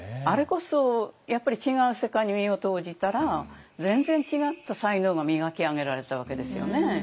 あれこそやっぱり違う世界に身を投じたら全然違った才能が磨き上げられたわけですよね。